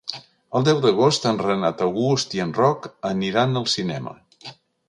El deu d'agost en Renat August i en Roc aniran al cinema.